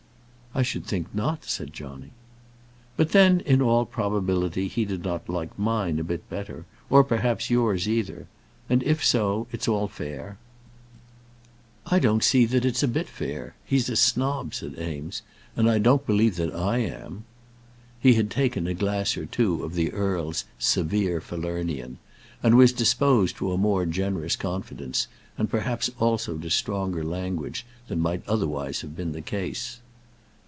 "I should think not," said Johnny. "But then in all probability he did not like mine a bit better, or perhaps yours either. And if so it's all fair." "I don't see that it's a bit fair. He's a snob," said Eames; "and I don't believe that I am." He had taken a glass or two of the earl's "severe Falernian," and was disposed to a more generous confidence, and perhaps also to stronger language, than might otherwise have been the case.